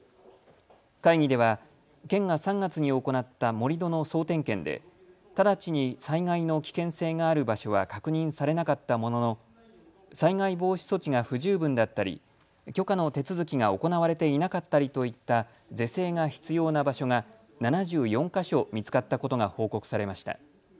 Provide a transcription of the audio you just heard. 会議では県が３月に行った盛り土の総点検で直ちに災害の危険性がある場所は確認されなかったものの災害防止措置が不十分だったり許可の手続きが行われていなかったりといった是正が必要な場所が７４か所見つかったことが報告されました。